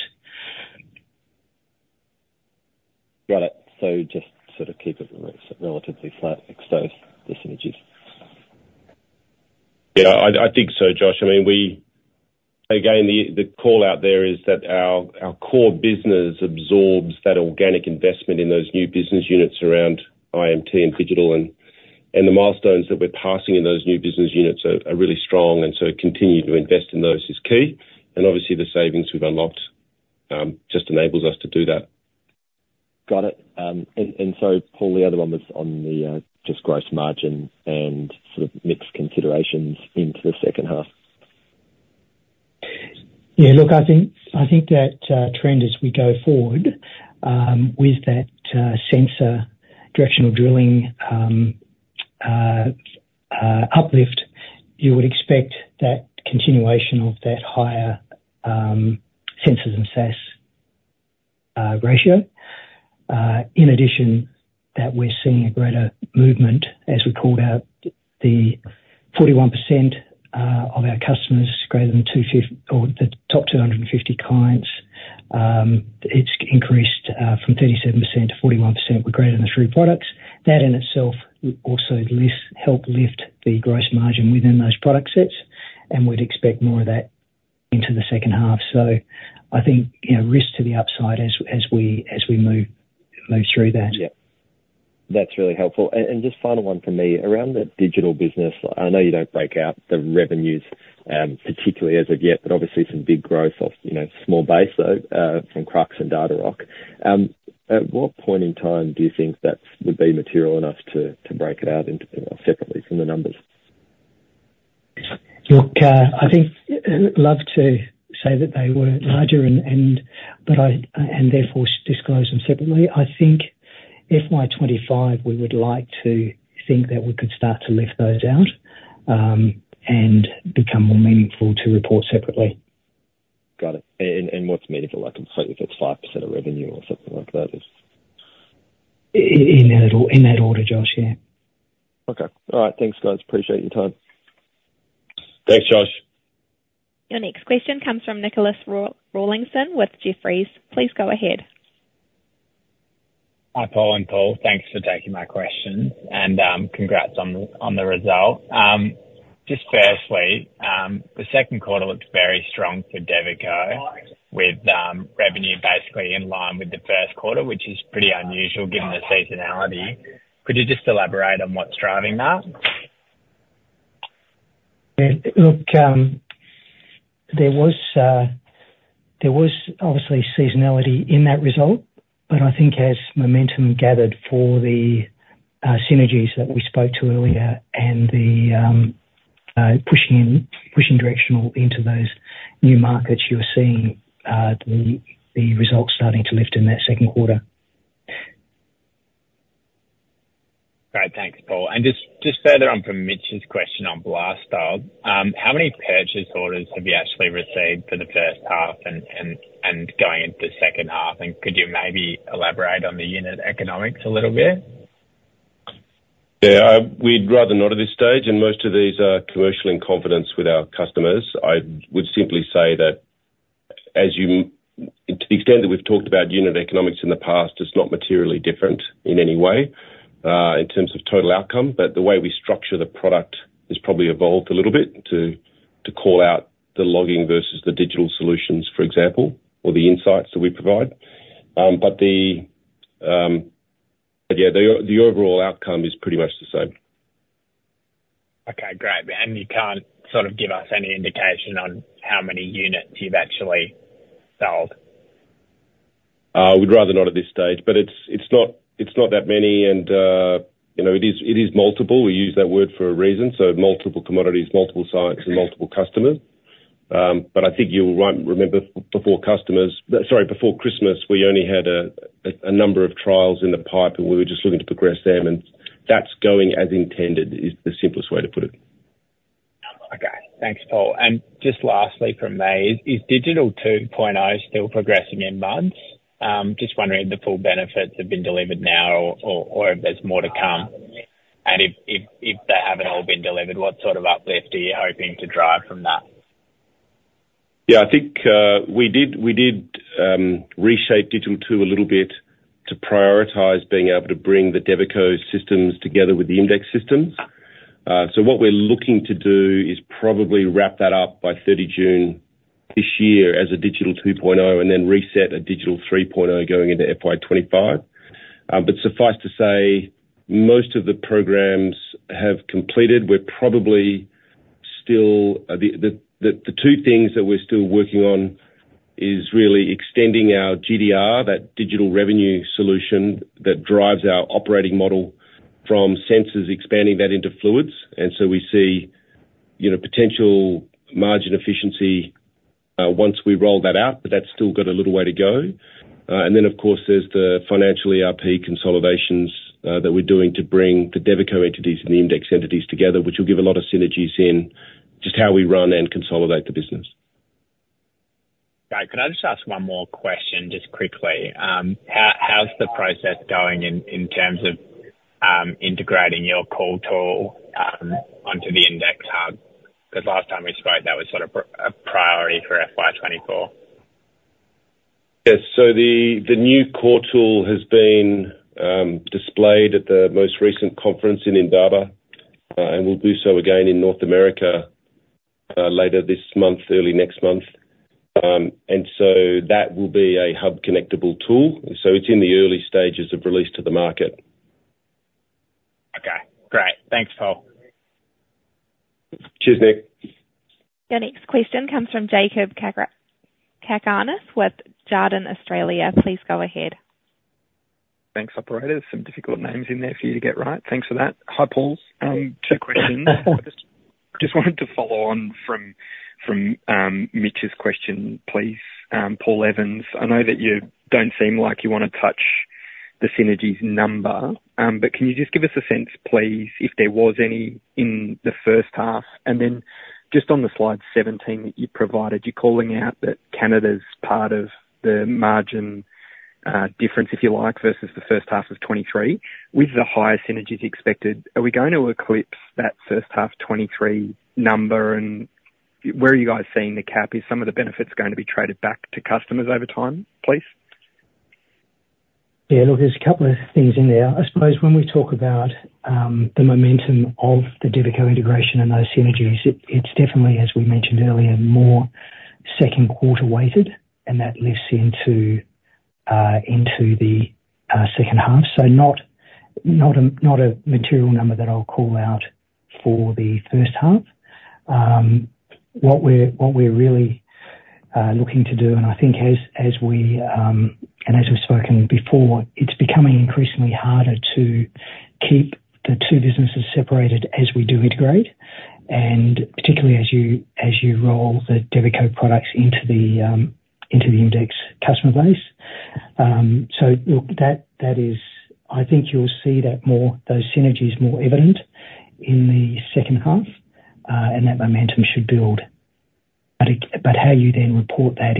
Got it. So just sort of keep it relatively flat, expose the synergies. Yeah. I think so, Josh. I mean, again, the call out there is that our core business absorbs that organic investment in those new business units around IMT and digital, and the milestones that we're passing in those new business units are really strong. And so continuing to invest in those is key. And obviously, the savings we've unlocked just enables us to do that. Got it. And so, Paul, the other one was on the just gross margin and sort of mix considerations into the second half. Yeah. Look, I think that trend as we go forward with that sensor directional drilling uplift, you would expect that continuation of that higher sensors and SaaS ratio. In addition, that we're seeing a greater movement, as we called out, the 41% of our customers greater than or the top 250 clients, it's increased from 37% to 41% with greater than three products. That in itself also helps lift the gross margin within those product sets, and we'd expect more of that into the second half. So I think risk to the upside as we move through that. Yep. That's really helpful. And just final one from me around the digital business. I know you don't break out the revenues particularly as of yet, but obviously some big growth off small base though from Krux and Datarock. At what point in time do you think that would be material enough to break it out separately from the numbers? Look, I think I'd love to say that they were larger, but therefore disclose them separately. I think FY 2025, we would like to think that we could start to lift those out and become more meaningful to report separately. Got it. And what's meaningful? I can say if it's 5% of revenue or something like that. In that order, Josh. Yeah. Okay. All right. Thanks, guys. Appreciate your time. Thanks, Josh. Your next question comes from Nicholas Rawlinson with Jefferies. Please go ahead. Hi, Paul and Paul. Thanks for taking my questions and congrats on the result. Just firstly, the Q2 looked very strong for Devico with revenue basically in line with the Q1, which is pretty unusual given the seasonality. Could you just elaborate on what's driving that? Look, there was obviously seasonality in that result, but I think as momentum gathered for the synergies that we spoke to earlier and the pushing directional into those new markets, you were seeing the results starting to lift in that Q2. Great. Thanks, Paul. And just further on from Mitchell's question on BLASTDOG, how many purchase orders have you actually received for the first half and going into the second half? And could you maybe elaborate on the unit economics a little bit? Yeah. We'd rather not at this stage. And most of these are commercial in confidence with our customers. I would simply say that to the extent that we've talked about unit economics in the past, it's not materially different in any way in terms of total outcome. But the way we structure the product has probably evolved a little bit to call out the logging versus the digital solutions, for example, or the insights that we provide. But yeah, the overall outcome is pretty much the same. Okay. Great. And you can't sort of give us any indication on how many units you've actually sold? We'd rather not at this stage. But it's not that many. And it is multiple. We use that word for a reason. So multiple commodities, multiple sites, and multiple customers. But I think you'll remember before Christmas, sorry, before Christmas, we only had a number of trials in the pipe, and we were just looking to progress them. And that's going as intended, is the simplest way to put it. Okay. Thanks, Paul. And just lastly from me, is Digital 2.0 still progressing in months? Just wondering if the full benefits have been delivered now or if there's more to come. And if they haven't all been delivered, what sort of uplift are you hoping to drive from that? Yeah. I think we did reshape Digital 2 a little bit to prioritize being able to bring the Devico systems together with the IMDEX systems. So what we're looking to do is probably wrap that up by 30 June this year as a Digital 2.0 and then reset a Digital 3.0 going into FY 2025. But suffice to say, most of the programs have completed. We're probably still the two things that we're still working on is really extending our GDR, that digital revenue solution that drives our operating model from sensors, expanding that into fluids. And so we see potential margin efficiency once we roll that out, but that's still got a little way to go. And then, of course, there's the financial ERP consolidations that we're doing to bring the Devico entities and the IMDEX entities together, which will give a lot of synergies in just how we run and consolidate the business. Great. Can I just ask one more question just quickly? How's the process going in terms of integrating your core tool onto the IMDEX HUB? Because last time we spoke, that was sort of a priority for FY 2024. Yes. So the new core tool has been displayed at the most recent conference in Indaba, and we'll do so again in North America later this month, early next month. And so that will be a HUB-connectable tool. So it's in the early stages of release to the market. Okay. Great. Thanks, Paul. Cheers, Nick. Your next question comes from Jakob Cakarnis with Jarden Australia. Please go ahead. Thanks, operators. Some difficult names in there for you to get right. Thanks for that. Hi, Paul. Two questions. I just wanted to follow on from Mitchell's question, please. Paul Evans, I know that you don't seem like you want to touch the synergies number, but can you just give us a sense, please, if there was any in the first half? And then just on the slide 17 that you provided, you're calling out that Canada's part of the margin difference, if you like, versus the first half of 2023 with the higher synergies expected. Are we going to eclipse that first half 2023 number? And where are you guys seeing the cap? Is some of the benefits going to be traded back to customers over time, please? Yeah. Look, there's a couple of things in there. I suppose when we talk about the momentum of the Devico integration and those synergies, it's definitely, as we mentioned earlier, more second-quarter weighted, and that lifts into the second half. So not a material number that I'll call out for the first half. What we're really looking to do, and I think as we and as we've spoken before, it's becoming increasingly harder to keep the two businesses separated as we do integrate, and particularly as you roll the Devico products into the IMDEX customer base. So look, I think you'll see those synergies more evident in the second half, and that momentum should build. But how you then report that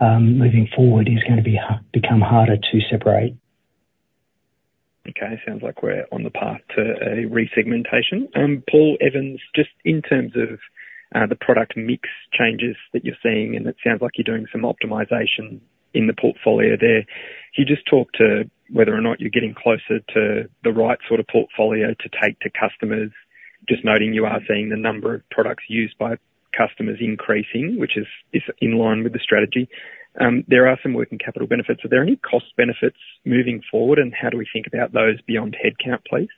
moving forward is going to become harder to separate. Okay. Sounds like we're on the path to a resegmentation. Paul Evans, just in terms of the product mix changes that you're seeing, and it sounds like you're doing some optimization in the portfolio there. You just talked to whether or not you're getting closer to the right sort of portfolio to take to customers, just noting you are seeing the number of products used by customers increasing, which is in line with the strategy. There are some working capital benefits. Are there any cost benefits moving forward, and how do we think about those beyond headcount, please?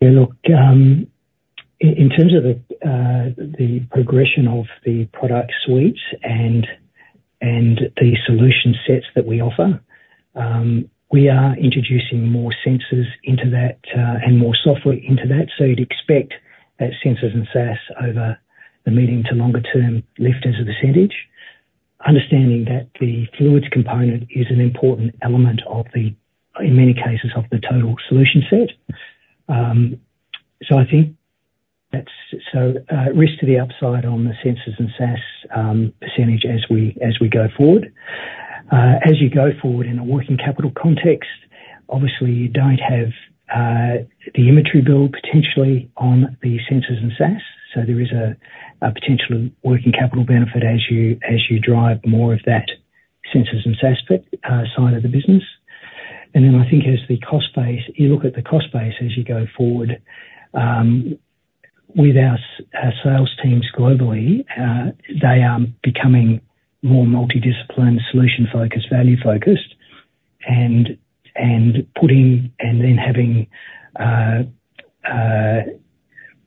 Yeah. Look, in terms of the progression of the product suites and the solution sets that we offer, we are introducing more sensors into that and more software into that. So you'd expect sensors and SaaS over the medium- to long-term lift as a percentage, understanding that the fluids component is an important element of the, in many cases, of the total solution set. So I think that's the risk to the upside on the sensors and SaaS percentage as we go forward. As you go forward in a working capital context, obviously, you don't have the inventory build potentially on the sensors and SaaS. So there is a potential working capital benefit as you drive more of that sensors and SaaS side of the business. And then I think as the cost base, you look at the cost base as you go forward. With our sales teams globally, they are becoming more multidisciplined, solution-focused, value-focused, and then having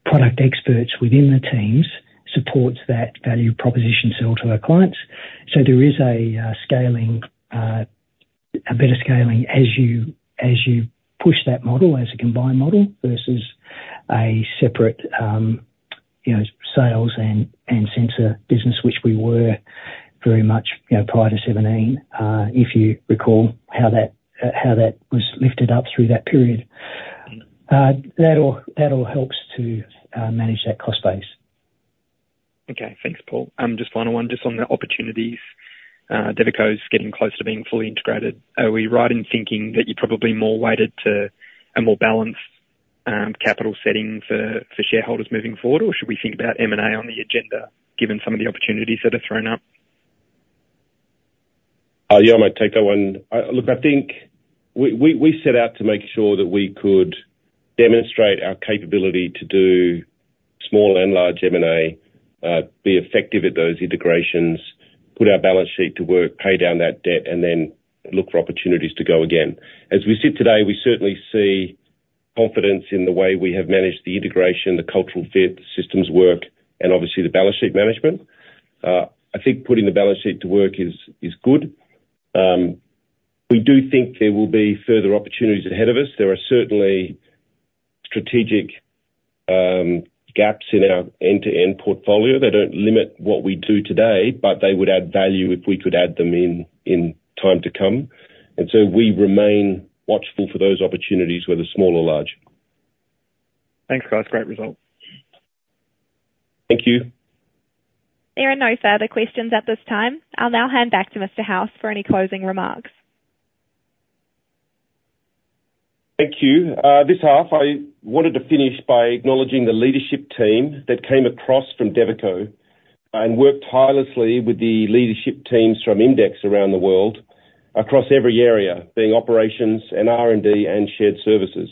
product experts within the teams supports that value proposition sale to our clients. So there is a better scaling as you push that model as a combined model versus a separate sales and sensor business, which we were very much prior to 2017, if you recall how that was lifted up through that period. That all helps to manage that cost base. Okay. Thanks, Paul. Just final one, just on the opportunities, Devico's getting closer to being fully integrated. Are we right in thinking that you're probably more weighted to a more balanced capital setting for shareholders moving forward, or should we think about M&A on the agenda given some of the opportunities that are thrown up? Yeah. I might take that one. Look, I think we set out to make sure that we could demonstrate our capability to do small and large M&A, be effective at those integrations, put our balance sheet to work, pay down that debt, and then look for opportunities to go again. As we sit today, we certainly see confidence in the way we have managed the integration, the cultural fit, the systems work, and obviously, the balance sheet management. I think putting the balance sheet to work is good. We do think there will be further opportunities ahead of us. There are certainly strategic gaps in our end-to-end portfolio. They don't limit what we do today, but they would add value if we could add them in time to come. And so we remain watchful for those opportunities, whether small or large. Thanks, guys. Great result. Thank you. There are no further questions at this time. I'll now hand back to Mr. House for any closing remarks. Thank you. This half, I wanted to finish by acknowledging the leadership team that came across from Devico and worked tirelessly with the leadership teams from IMDEX around the world across every area, being operations and R&D and shared services,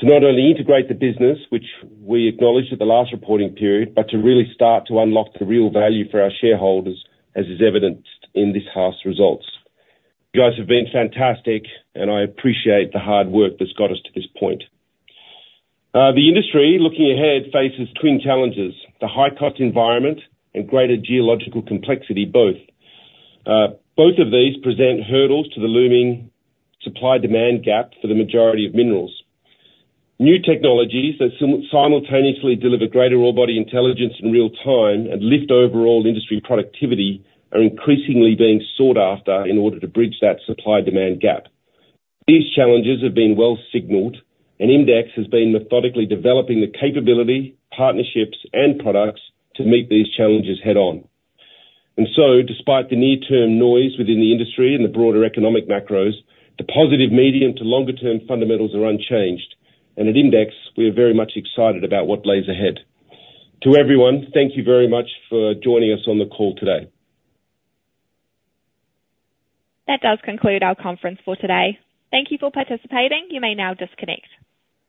to not only integrate the business, which we acknowledged at the last reporting period, but to really start to unlock the real value for our shareholders, as is evident in this half's results. You guys have been fantastic, and I appreciate the hard work that's got us to this point. The industry, looking ahead, faces twin challenges: the high-cost environment and greater geological complexity, both. Both of these present hurdles to the looming supply-demand gap for the majority of minerals. New technologies that simultaneously deliver greater ore-body intelligence in real time and lift overall industry productivity are increasingly being sought after in order to bridge that supply-demand gap. These challenges have been well signaled, and IMDEX has been methodically developing the capability, partnerships, and products to meet these challenges head-on. So despite the near-term noise within the industry and the broader economic macros, the positive medium to longer-term fundamentals are unchanged. At IMDEX, we are very much excited about what lies ahead. To everyone, thank you very much for joining us on the call today. That does conclude our conference for today. Thank you for participating. You may now disconnect.